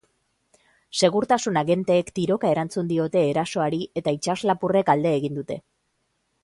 Segurtasun agenteek tiroka erantzun diote erasoari eta itsaslapurrek alde egin dute.